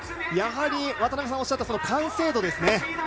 やはり渡辺さんがおっしゃった完成度ですね。